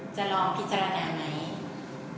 จะลองพิจารณาไหม